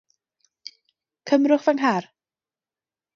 Cymerwch fy nghar.